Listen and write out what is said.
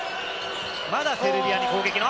まだセルビアに攻撃の。